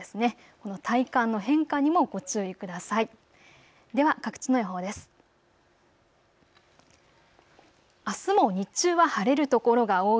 この体感の変化にもご注意ください。